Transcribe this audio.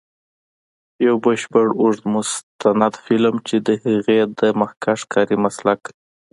یو بشپړ اوږد مستند فلم، چې د هغې د مخکښ کاري مسلک.